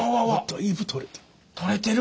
だいぶ取れてる。